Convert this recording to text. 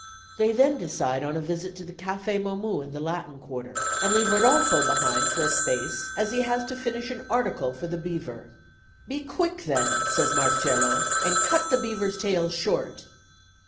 They then decide on a visit to the café Momus in the Latin quarter, and leave Rodolfo behind for a space, as he has to finish an article for the Beaver. "Be quick, then," says Marcello, "and cut the Beaver's tale short."